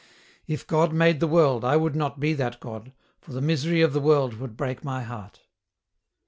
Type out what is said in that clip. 243 " If God made the world I would not be that God, for the misery of the world would break my heart